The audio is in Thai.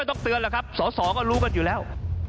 ต้องเตือนหรอกครับสอสอก็รู้กันอยู่แล้ว